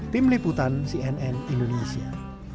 tim liputan cnn indonesia